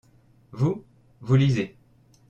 vous, vous lisez.